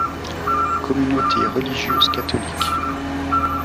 Communauté religieuse catholique.